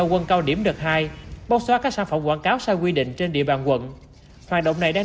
tháng một mươi hai bóc xóa các sản phẩm quảng cáo sai quy định trên địa bàn quận hoạt động này đang